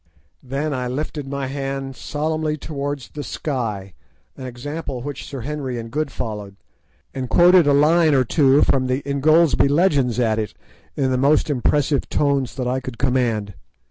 Then I lifted my hand solemnly towards the sky, an example which Sir Henry and Good followed, and quoted a line or two from the "Ingoldsby Legends" at it in the most impressive tones that I could command.